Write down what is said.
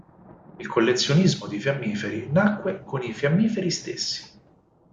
Il collezionismo di fiammiferi nacque con i fiammiferi stessi.